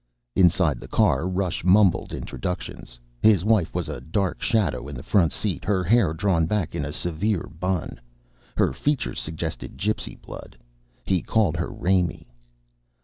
Inside the car, Rush mumbled introductions. His wife was a dark shadow in the front seat, her hair drawn back in a severe bun. Her features suggested gypsy blood. He called her Raimee.